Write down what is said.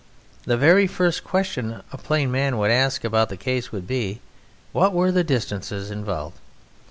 The very first question a plain man would ask about the case would be, "What were the distances involved?"